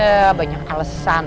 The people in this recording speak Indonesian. eh banyak alesan